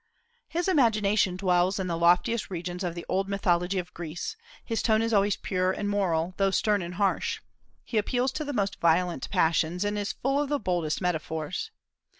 His imagination dwells in the loftiest regions of the old mythology of Greece; his tone is always pure and moral, though stern and harsh; he appeals to the most violent passions, and is full of the boldest metaphors.